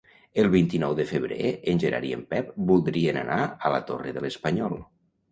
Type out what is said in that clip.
El vint-i-nou de febrer en Gerard i en Pep voldrien anar a la Torre de l'Espanyol.